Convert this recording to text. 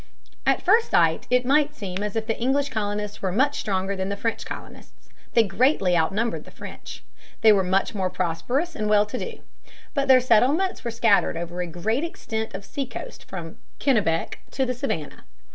At first sight it might seem as if the English colonists were much stronger than the French colonists. They greatly outnumbered the French. They were much more prosperous and well to do. But their settlements were scattered over a great extent of seacoast from the Kennebec to the Savannah.